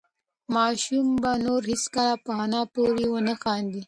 ماشوم به نور هېڅکله په انا پورې ونه خاندي.